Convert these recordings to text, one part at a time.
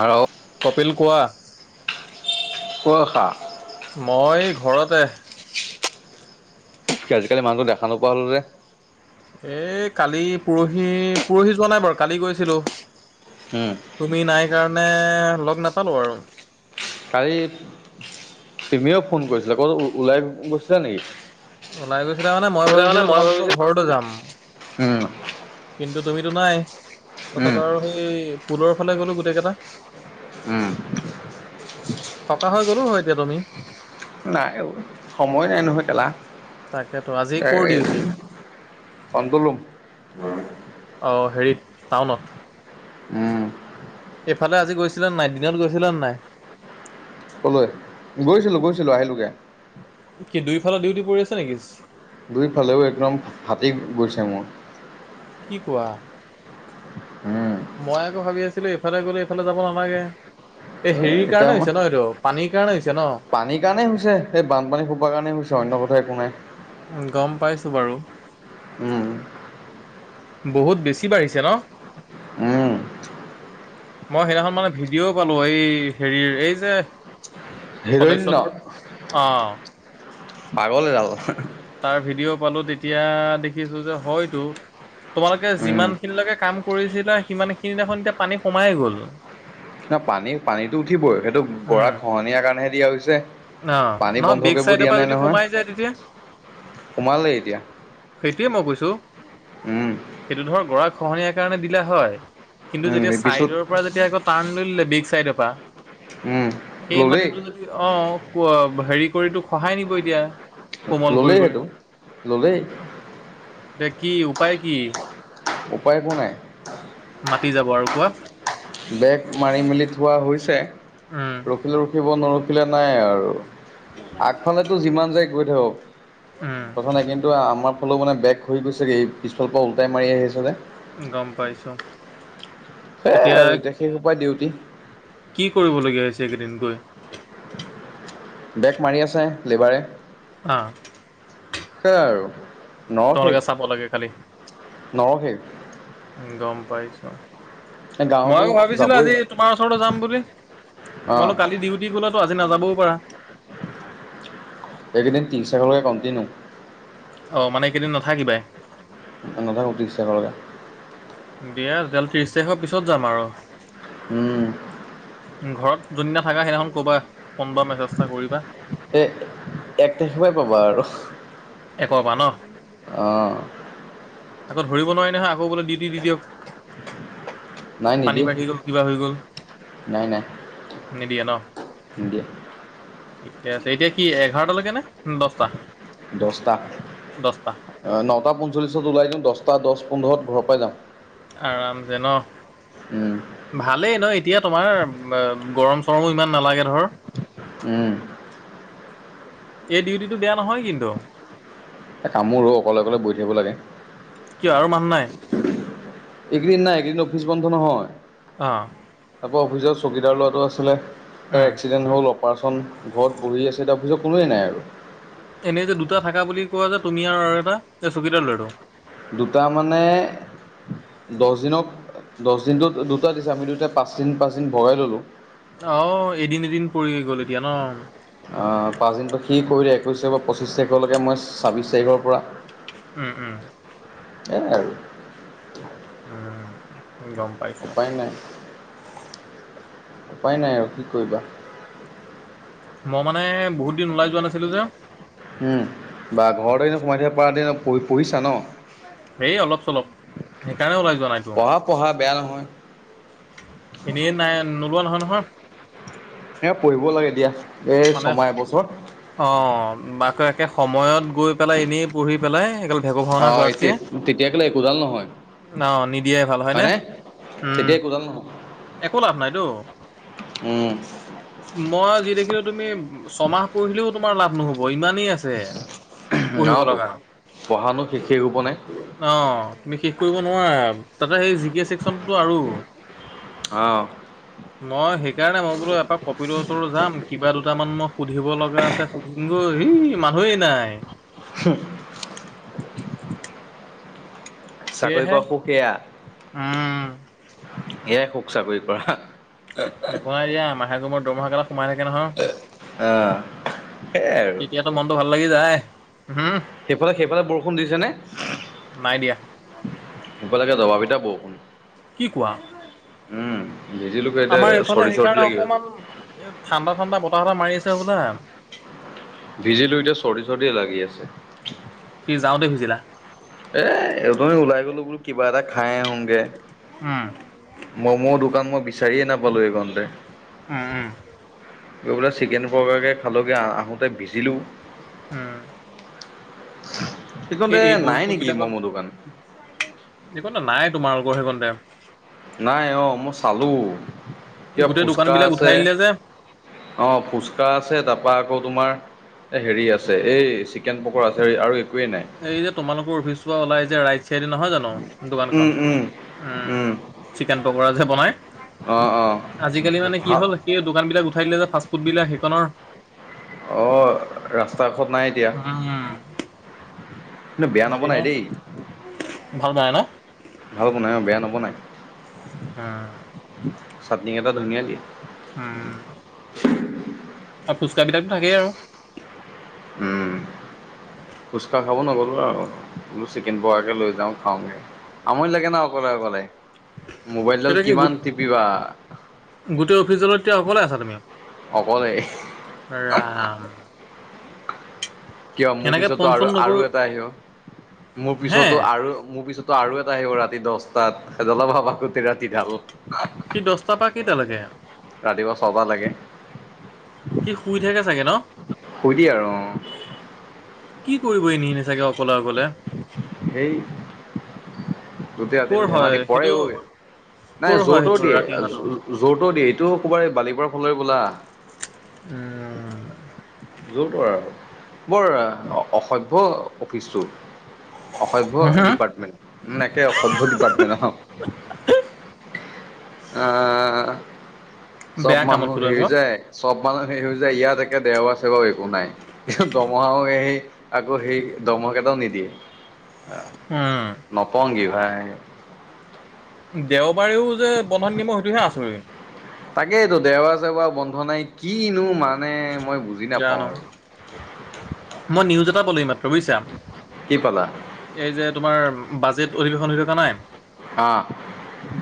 আৰু কপিল কোৱা। কোখা মই ঘৰতে। আজিকালি মানুহটো দেখা নোপোৱা হ'ল যে। এই কালি পৰহি, পৰহি যোৱা নাই বাৰু, কালি গৈছিলো। উম তুমি নাই কাৰণে লগ নাপালোঁ আৰু। কালি তুমিও ফোন কৰিছিলা। ক'ত ওলাই গৈছিলা নেকি? ওলাই গৈছিলা মানে, মই তাৰ মানে ভাবিছিলোঁ মই তোমালোকৰ ভাবিছো ঘৰতে যাম। উম কিন্তু তুমিতো নাই, তাৰপাছত উম আৰু সেই পুলৰ ফালে গ'লো গোটেই কেইটা উম থকা হৈ গ'লো হয়, এতিয়া তুমি। নাই অ', সময়ে নাই নহয় [unintelligible] তাকেতো আজি ক'ৰ ডিউটি [unintelligible] অ', হেৰিত টাউনত উম এইফালে আজি গৈছিলে নে নাই? দিনত গৈছিলে নে নাই? ক'লৈ? গৈছিলোঁ, গৈছিলোঁ আহিলগে। কি দুইফালৰ ডিউটি পৰি আছে নেকি? দুইফালেও একদম হাতীক গৈছে মোৰ। কি কোৱা। উম মই আকৌ ভাবি আছিলো, এইফালে গ'লে এইফালে যাব নালাগে। এই এ হেৰিৰ এতিয়া কাৰণে মই হৈছে ন' এইটো পানীৰ কাৰণে হৈছ পানীৰ কাৰণেই হৈছে, হে বানপানী খোপাৰ কাৰণেই হৈছে অন্য কথাই একো নাই। উম, গম পাইছোঁ বাৰু। উম বহুত বেছি বাঢ়িছে ন'? উম মই সেইদিনাখন মানে ভিডিঅ' পালোঁ এই হেৰিৰ এই যে হিৰণ্য সদস্যটোৰ, অহ। পাগল এডাল। তাৰ ভিডিঅ' পালোঁ তেতিয়া দেখিছোঁ যে হয়টো। তোমালোকে উম, যিমানখিনিলৈকে কাম কৰিছিলা, সিমানখিনি দেখোন এতিয়া পানী সোমাই গ'ল। তা পানী পানীটো উঠিবই সেইটো উম গৰাখহনীয়াৰ কাৰণেহে দিয়া হৈছে। অঁ পানী নহয় বন্ধ বেক কৰিব চাইডৰ দিয়া পৰা নাই যদি নহয়, সোমাই যায় তেতিয়া সোমালেই এতিয়া। সেইটোৱে মই কৈছোঁ, উম। সেইটো ধৰ গৰা খহনীয়াৰ কাৰণে দিলা হয়। কিন্তু উম, যেতিয়া পিছত চাইডৰ পৰা যেতিয়া আকৌ টাৰ্ণ লৈ ল'লে বেক চাইডৰ পৰা। উম, সেই ল'লেই মাটিটো যদি অ', ক' হেৰি কৰিটো খহাই নিব এতিয়া। কোমল কৰি ল'লেই কৰি সেইটো, ল'লেই। এতিয়া কি? উপায় কি? উপায় একো নাই। পাতি যাব আৰু কোৱা। ব্ৰেগ মাৰি মেলি থোৱা হৈছে, উম। ৰখিলে ৰখিব, নৰখ [unintelligible] নাই আৰু আগফালেতো যিমান যায় গৈ থাকক। উম কথা নাই, কিন্তু আমাৰ ফালেও মানে বেগ হৈ গৈছেগে পিছফালৰ পৰা উল্টাই মাৰি আহি আছে যে। গম পাইছোঁ। এয়াই আৰু এতিয়া সেইসোপাই ডিউটি। কি কৰিবলগীয়া হৈছে, এইকেইদিন গৈ? বেগ মাৰি আছে, লেবাৰে। অ'। সেইয়াই আৰু নৰখেই, তোমালোকে চাব লাগে খালি নৰখেই। গম পাইছোঁ। এই মই গাঁৱতো আকৌ ভাবিছিলোঁ যাবই আজি তোমাৰ ওচৰলৈ যাম বুলি। অঁ মইনো কালি ডিউটি গ'লাটো, আজি নাযাবওঁ পাৰা। এইকেইদিন [unintelligible] কণ্টিনিউ। অ', মানে এইকেইদিন নাথাকিবাই। নাথাকোঁ ত্ৰিচ তাৰিখৰ লকে। দিয়া তেতিয়া হ'লে, ত্ৰিচ তাৰিখৰ পিছত যাম আৰু। উম, ঘৰত যোনদিনা থাকা, সেইদিনাখন ক'বা ফোন বা মেছেজ এটা কৰিবা। এই এক তাৰিখৰ পৰাই পাবা আৰু। এ কবা ন। অঁ আকৌ ধৰিব নোৱাৰি নহয়, আকৌ বোলে ডিউটি দি নাই দিয়ক। নিদিয়ে পানী বাঢ়ি গল, কিবা হৈ গল, নিদিয়ে ন। উম দিয়া। ঠিকে আছে, এতিয়া কি এঘাৰটা লৈকে নে দহটা? দহটা। দহটা অ নটা পঞ্চল্লিশত ওলাই দিওঁ। দহটা দহ পোন্ধৰত ঘৰৰ পাই যাম। আৰাম যে ন? ভালেই ন এতিয়া তোমাৰ? গৰম চৰমো ইমান নালাগে ধৰ। উম। এই ডিউটিটো বেয়া নহয় কিন্তু। কামবোৰো অকলে অকলে কৰি থাকিব লাগে। কিয় আৰু মান নাই। এইকেদিন নাই। কিন্তু অফিচ বন্ধ নহয়। আহ। তাৰপৰা অফিচত চকীদাৰ ল'ৰাটো আছিলে, তাৰ উম এক্সিডেণ্ট হ'ল, অপাৰেচন ঘৰত বহি আছে এতিয়া। নিজৰ কোনোৱেই নাই আৰু? এনেই যে দুটা থাকা বুলি কোৱা, যে তুমি আৰু এটা এই চকীদাৰ ল'ৰাটো। দুটা মানে দহ দিনক দহ দিনটো দুটা দিছে, আমি দুটাই পাঁচদিন পাঁচদিন ভগাই ল'লোঁ। অহ এদিন এদিন পৰি গ'ল এতিয়া ন? পাঁচদিনটো সি কৰিলে, একৈছ তাৰিখৰ পৰা পঁচিছ তাৰিখলৈকে মই ছাব্বিছ তাৰিখৰ পৰা। উম উম। এয়াই আৰু উম যম উপায় নাই। উপায় নাই আৰু কি কৰিবা? মই মানে বহুত দিন ওলাই যোৱা নাছিলো যে। উম বা ঘৰতে এনে সোমাই থাকিব পৰা দি পঢ়ি পঢ়িছা ন। হেই অলপ চলপ সেইকাৰণে ওলাই যোৱা নাইতো পঢ়া পঢ়া বেয়া নহয়। এনেই নাই নোলোৱা নহয় নহয়। এ পঢ়িব লাগে দিয়া এই মানে ছমাহ এবছৰ। তাকে সময়ত গৈ পেলাই এনেই পঢ়ি পেলাই এক অহ তে তেতিয়া কেলা একোডাল নহয়। অ নিদিয়াই ভাল হয় হয়নে নে, উম তেতিয়া একোডাল নহয়। একো লাভ নাইতো। উম। মই যি দেখিলো তুমি ছমাহ পঢ়িলেও তোমাৰ লাভ নহ'ব ইমানেই আছে। পঢ়িব আৰু তো লগা, পঢ়ানো শেষেই হ'ব নাই অহ তুমি শে ষ কৰিব নোৱাৰা তাতে সেই জি কে ছেকচনটো আৰু। অহ। মই সেইকাৰণে মই বোলো এপাক কপিলৰ ওচৰলৈ যাম। কিবা দুটামান মই সুধিব লগা আছে সুধিমগৈ এই মানুহেই নাই। চাকৰি সেয়েহে কৰা সুখ এয়া। উম এয়াই সুখ চাকৰি কৰা। নেপাই দিয়া মাহেকৰ মূৰত দৰমহা কেলা সোমাই থাকে নহয়। আহ। সেইয়াই আৰু তেতিয়াতো মনটো ভাল লাগি যায়। উম সেইফালে সেইফালে বৰষুণ দিছেনে? [inaudible] এইফালে একে দবা পিটা বৰষুণ। কি কোৱা উম ভিজিলো আমাৰ এতিয়া এইফালে চৰ্দি চৰ্দি সেইকাৰণে লাগি আছে অকমান এ ঠাণ্ডা ঠাণ্ডা বতাহ এটা মাৰি আছে হ'বলা। ভিজিলো এতিয়া চৰ্দি চৰ্দি লাগি আছে। কি যাওঁতে ভিজিলা। এ এই ওথনি ওলাই গলো বোলো কিবা এটা খাই আহোঁগে। উম ম'মৰ দোকান মই বিচাৰিয়ে নাপালো এইকোনতে। উম, এই বোলে চিকেন পকোৰাকে খালোঁগে আহোঁতে ভিজিলোঁ। উম, এই সেইকণতে এই নাই বৰষুণ নেকি ম'ম' দোকান বিলাকত একো না নাই তোমালোকৰ সেইকোনতে। নাই অহ, মই চালো কিবা গোটেই দোকান ফুচকা বিলাক আছে। উঠাই দিলে যে অহ, ফুচকা আছে তাৰপা আকৌ তোমাৰ এ হেৰি আছে এই চিকেন পকোৰা আছে আৰু একোৱেই নাই। এই যে তোমালোকৰ অফিচৰ পৰা ওলাই যে ৰাইট চাইডে নহয় জানো। উম, দোকানখন উম। উম, চিকেন পকোৰা যে বনাই। অ', অ', আজিকালি মানে কি ভাল হ'ল, সেই দোকানবিলাক উ ঠাই দিলে যে, ফাষ্ট ফুডবিলাক সেইকনৰ। অ', ৰাস্তা কাষত নাই এতিয়া। উম কিন্তু বেয়া হেৰি নবনাই হয় দেই। ভাল বনাই ন? ভাল বনাই অ', বেয়া নবনাই। হম। চাটনি কেইটা ধুনীয়া দিয়ে। হম। আৰু ফুচকা বিলাকতো থাকেই আৰু। উম। ফুচকা খাব নগ'লোঁ আৰু, বোলো চিকেন পকৰাকে লৈ যাওঁ, খাওঁগে। আমৰি লাগে ন' অকলে, অকলে? মোবাইলডাল এতিয়া কি গোট কিমান টিপিবা। গোটেই অফিচডালত এতিয়া অকলে আছা তুমি? অকলে। ৰাম। কিয়? মোৰ এনেকে ফোন পিছতো আৰু, চোন নকৰি আৰু এটা আহিব, মোৰ হে পিছতো আৰু, মোৰ পিছতো আৰু এ আহিব ৰাতি দচটাত, সেইডালৰ [unintelligible] ৰাতি ডাল সি দচটাৰ পৰা কেইটালৈকে? ৰাতিপুৱা ছটা লেকে। সি শুই থাকে চাগে ন? শুই দিয়ে আৰু অ'। কি কৰিব এনে, এনে চাগে অকলে, অকলে? হেই গোটেই কৰ ৰাতিডাল হয় ধেমালি, পৰে সেইটো অই। নাই, কৰ হয় য'ৰ ত'ৰ সেইটো দিয়ে, ৰাতি অহাটো য'ৰ ত'ৰ দিয়ে, এইটো ক'ৰবাৰ বালিপাৰা ফালে‌ হ'বলা। উম। য'ৰ ত'ৰ আৰু বৰ অসভ্য অফিচটো। অসভ্য ডিপাৰ্টমেন্ট একে অসভ্য ডিপাৰ্টমেণ্ট আহ চব বেয়া কামত মানুহ খটোৱাব হেৰি যায় চব মানুহ হে হৈ যায় ইয়াত আছে বাৰু একো নাই দমহাও সেই আকৌ সেই দমহ কেইটাও নিদিয়ে আহ উম নটঙি ভাই দেওবাৰেও যে বন্ধন দিব সেইটোহে আচৰিত, তাকেইতো দেওবাৰ চেওবাৰ বন্ধ নাই কিনো মান মানে মই বুজি নাপাওঁ জানো আৰু, মই নিউজ এটা পল মাত্ৰ বুজিছা কি পালা? এই যে তোমাৰ, বাজেট অধিবেশন হৈ থকা নাই আহ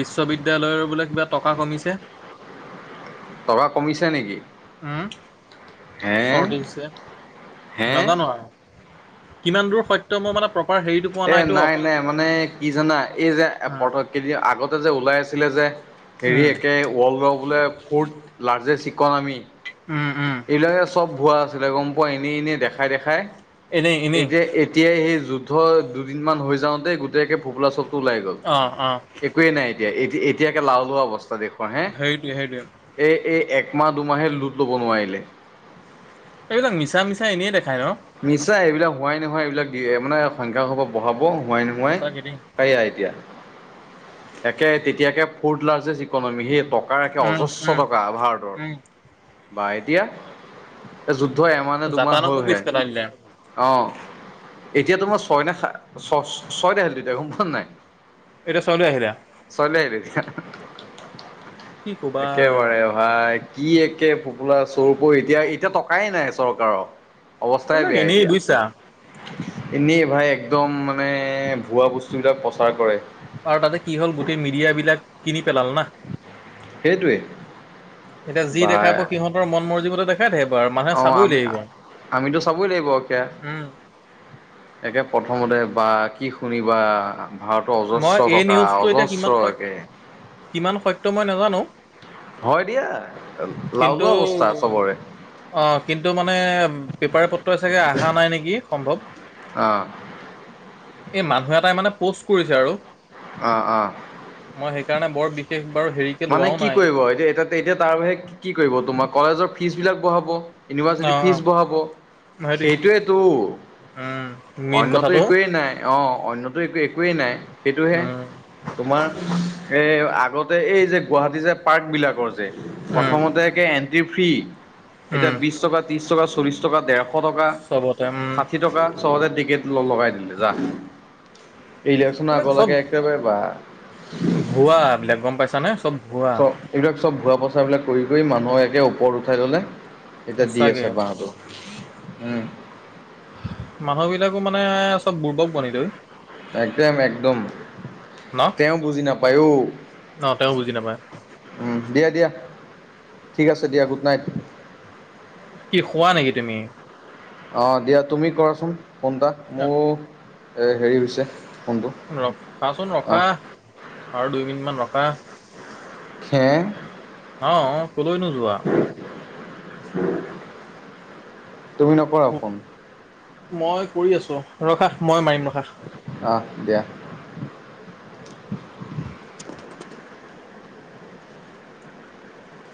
বিশ্ববিদালয়ৰ বোলে কিবা টকা কমিছে, টকা কমিছে নেকি! উম হে চৰ্দি হৈছে হে নাজানো আৰু কিমান দূৰ সত্য মই মানে প্ৰপাৰ হেৰিটো পোৱা এ নাইতো নাই অকল নাই মানে কি জানা এই যে উম পথক কেইদিন আগতে যে ওলাই আছিলে যে হেৰি উম একে ৱৰ্ল্ডৰ বোলে ফৰ্থ লাৰ্জেষ্ট ইকনমী। উম উম এইবিলাকে চব ভুৱা আছিলে গম পোৱা এনেই এনে দেখাই দেখাই। এনেই এনেই এতিয়া এতিয়াই সেই যুদ্ধ দুদিন মান হৈ যাওঁতে গোটেই একে ফোপলা চপ ওলাই গ'ল অ অ একোৱে নাই এতিয়া এতিয়া একে লাও লোৱা অৱস্থা। দেখুওৱা হে, সেইটোৱে সেইটোৱে এই এই একমাহ দুমাহেই লোড ল'ব নোৱাৰিলে। এইবিলাক মিছা মিছা এনেই দেখায় ন? ছা এইবিলাক হোৱাই নোহোৱাই এইবিলাক দিয়ে, মানে সংখ্যা সোপাহ বঢ়াব হোৱাই নোহোৱাই সঁচাকে দেই তাইয়া এতিয়া। একে তেতিয়াকে ফৰ্থ লাৰ্জেষ্ট ইকনমি হেট টকাৰ একে উম অজস্ৰ উম টকা ভাৰতৰ, উম বা এতিয়া? এ যু দ্ধ এমাহ নে দুমাহ জাপানকো পিছ হলহে পেলাই দিলে অঁ। এতিয়া তো মই ছয় ন ছয় ন খিলো তেতিয়া নাই? এতি চাওলা আহিলা ছয়লে আহিল এতিয়া কি কবা একেবাৰে ভাই কি একে ফোপোলা চোৰ এতিয়া এতিয়া টকাই নাই চৰকাৰৰ, অৱস্থাই এইবিলাক বেয়া এনেই এতিয়া। বুজিছা এনেই ভাই একদম মানে ভুৱা বস্তুবিলাক প্ৰচাৰ কৰে। আৰু তাতে কি হ'ল গোটেই মিডিয়াবিলাক কিনি পেলালে না। সেইটোৱে এতিয়া যি দেখাব সিহঁতৰ মন মৰজিমতে দেখা- অঁ আমি আমিতো চাবই লাগিব উম এতিয়া--একে প্ৰথমতে বা কি শুনিবা ভাড়াটো মই অজস্ৰ এই টকা নিউজটো এতিয়া অজস্ৰ কিমান সত একে কিমান সত্য মই নাজানো। হয় দিয়া কিন্তু লাওলোৱা অৱস্থা উ চবৰে আহ, কিন্তু মানে পেপাৰে-পত্ৰয়ে চাগে অহা নাই নেকি সম্ভৱ। অঁ, এই মানুহ এটাই মানে প'ষ্ট কৰিছে আৰু। অঁ, অঁ, মই সেইকাৰণে বৰ বিশেষ বাৰু হেৰিকে মানে লোৱাও কি নাই কৰিব এতিয়া এতি এতিয়া তাৰ বাহিৰে কি কৰিব তোমাৰ কলেজৰ ফিজ বিলাক বঢ়াব। অ ইউনিভাৰ্চিটিৰ অ ফিজ বঢ়াব সেইটোৱে সেইটোৱেতো। উম মেইন অন্যতো কথাটো একোৱেই নাই অ', অন্যতো একো একোৱেই নাই সেইটোহে। উম তোমাৰ এই আগতে এই যে গুৱাহাটী যে পাৰ্কবিলাকৰ যে উম প্ৰথমতে একে এণ্ট্ৰি ফ্ৰী এতিয়া উম বিশ টকা, ত্ৰিশ টকা, চল্লিশ টকা ডেৰশ টকা চবতে উম ষাঠি টকা চবতে টিকেট ল' লগাই দিলে যাহ ইলেকশ্যনৰ এইবিলাক আগলৈকে চব একেবাৰে বা ভুৱা এবিলাক গম পাইছা নে? চব ভুৱা চ' এইবিলাক চব ভুৱা প্ৰচাৰবিলাক কৰি কৰি মানুহৰ এতিয়া ওপৰত উঠাই ল'লে। এতিয়া দি সঁচাকে আছে বাহঁটো, উম। মানুহবিলাকো মানে চব বুৰ্বক বনি লৈ একদম, একদম। ন তেওঁ বুজি নাপায় ঔ ন তেওঁ বুজি নাপায় উম, দিয়া, দিয়া। ঠিক আছে দিয়া, গুড নাইট। কি শুৱা নেকি তুমি? অ', দিয়া তুমি কৰাচোন ফোন এটা মোৰ এ হেৰি হৈছে। ফোনটো ৰ' খাচোন ৰখা আহ আৰু দুই মিনিটমান ৰখা। অ', খে অ', কলৈ নো যোৱা? তুমি নকৰা ফোন? মই কৰি আছোঁ, ৰখা মই মাৰিম ৰখা। অহ, দিয়া।